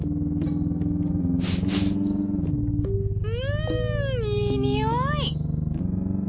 うんいいにおい。